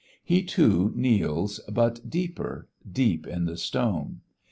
He, too, kneels, but deeper, deep in the stone.